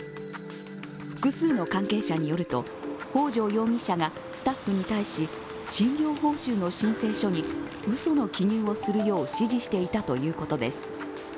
複数の関係者によると北條容疑者がスタッフに対し診療報酬の申請書にうその記入をするよう指示していたということです。